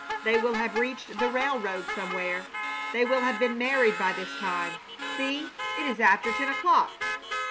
"They will have reached the railroad somewhere. They will have been married by this time. See, it is after ten o'clock!"